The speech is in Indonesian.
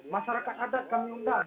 masyarakat adat kami undang